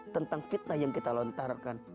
tentang fitnah yang kita lontarkan